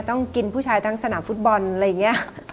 ต้องกินผู้ชายทั้งสนามฟุตบอลอะไรอย่างนี้